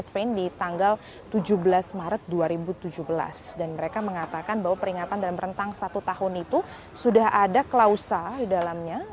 di tanggal tujuh belas maret dua ribu tujuh belas dan mereka mengatakan bahwa peringatan dalam rentang satu tahun itu sudah ada klausa di dalamnya